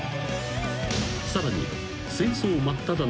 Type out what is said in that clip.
［さらに］